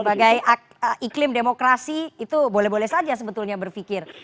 sebagai iklim demokrasi itu boleh boleh saja sebetulnya berpikir